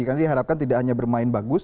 karena dia harapkan tidak hanya bermain bagus